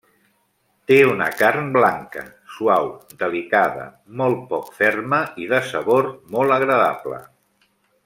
Té una carn blanca, suau, delicada, molt poc ferma i de sabor molt agradable.